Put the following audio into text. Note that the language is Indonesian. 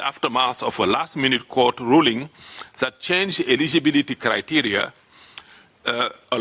kampenya berlaku di akhir akhir perundingan perundingan yang berubah kriteria kewajiban